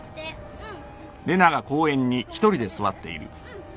うん。